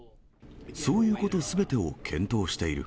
そういうことすべてを検討している。